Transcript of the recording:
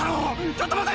ちょっと待て！